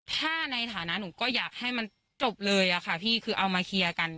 ถ้าในฐานะหนูก็อยากให้มันจบเลยอะค่ะพี่คือเอามาเคลียร์กัน